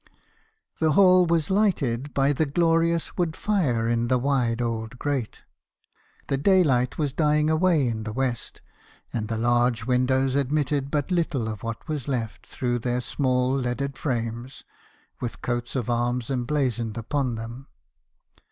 " The hall was lighted by the glorious wood fire in the wide old grate; the daylight was dying away in the west; and the large windows admitted but little of what was left, through 2G2 mb. haerison's CONFESSION'S. their small leaded frames, with coats of arms emblazoned upon them.